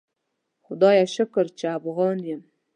خدایه شکر چی افغان یم